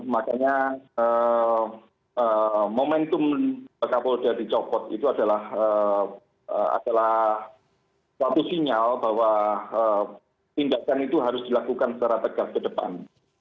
makanya momentum pak pol dari copot itu adalah suatu sinyal bahwa tindakan itu harus dilakukan secara tegas ke depan